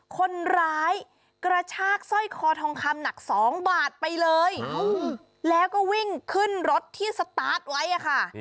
คนร้ายกระชากสร้อยคอทองคำหนัก๒บาทไปเลยแล้วก็วิ่งขึ้นรถที่สตาร์ทไว้อะค่ะ